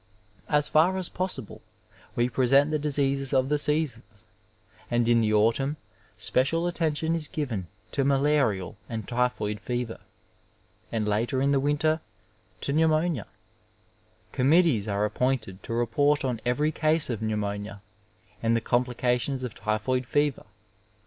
As far as possible we present the diseases of the seasons, and in the autumn special attention is given to malarial and typhoid fever, and later in the winter to pneumonia; Committees are appointed to report on every case of pneumonia and the complications of typhoid fever.